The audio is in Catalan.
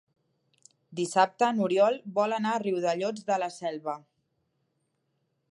Dissabte n'Oriol vol anar a Riudellots de la Selva.